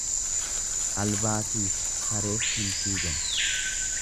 Albaatiifi sareef hin figan.